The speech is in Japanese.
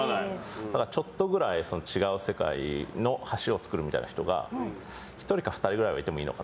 だからちょっとぐらい違う世界の橋をつくる人が１人か２人ぐらいはいてもいいのかなって。